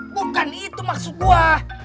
bukan itu maksud gua